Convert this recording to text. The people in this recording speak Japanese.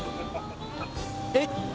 えっ？